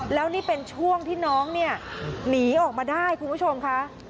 แล้วนี่เป็นช่วงที่น้องเนี่ยหนีออกมาได้คุณผู้ชมค่ะ